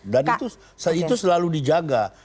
dan itu selalu dijaga